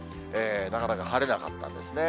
なかなか晴れなかったですね。